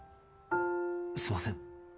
すみません。